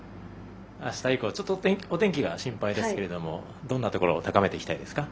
あした以降お天気が心配ですけどどんなところを高めていきたいですか？